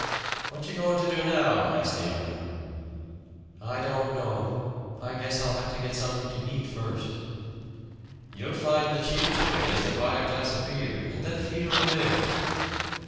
"What you goin' to do now?" asked the other. "I don't know. I guess I'll have to get something to eat first." "You'll find the cheapest way is to buy a glass of beer and then feed over there."